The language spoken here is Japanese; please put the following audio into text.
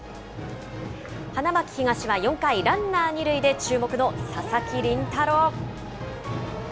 花巻東は４回、ランナー２塁で注目の佐々木麟太郎。